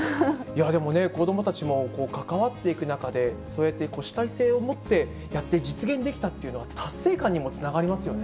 でもね、子どもたちも関わっていく中で、そうやって主体性を持って、やって実現できたっていうのは、達成感にもつながりますよね。